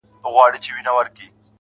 هغه ولس چي د .